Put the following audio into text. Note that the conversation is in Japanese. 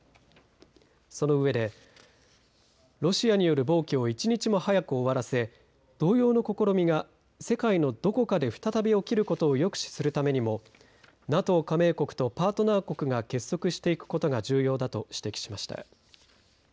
その上でロシアによる暴挙を１日も早く終わらせ同様の試みが世界のどこかで再び起きることを抑止するためにもＮＡＴＯ加盟国とパートナー国が結束していくことが重要だと指摘しました。